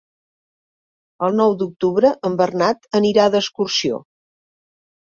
El nou d'octubre en Bernat anirà d'excursió.